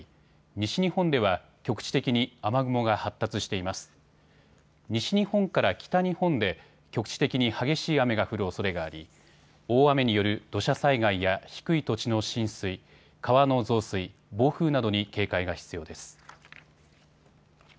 西日本から北日本で局地的に激しい雨が降るおそれがあり大雨による土砂災害や低い土地の浸水、川の増水、暴風などに警戒が必要です。